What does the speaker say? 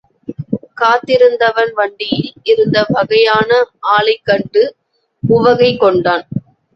காத்திருந் தவன் வண்டியில் இருந்த வகையான ஆளைக்கண்டு உவகை கொண்டான்.